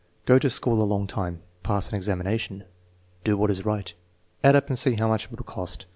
"Go to school a long time." "Pass an examination." "Do what is right." "Add up and see how much it will cost."